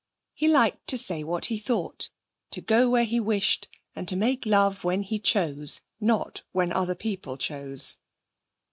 He liked to say what he thought, to go where he wished, and to make love when he chose, not when other people chose.